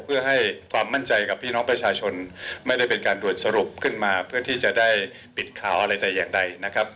เพื่อให้ความมั่นใจกับพี่น้องประชาชนไม่ได้เป็นการด่วนสรุปขึ้นมาเพื่อที่จะได้ปิดข่าวอะไรแต่อย่างใดนะครับ